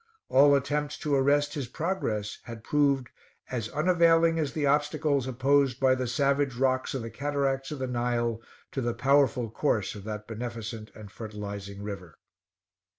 All attempts to arrest his progress had proved as unavailing as the obstacles opposed by the savage rocks of the Cataracts of the Nile to the powerful course of that beneficent and fertilizing river.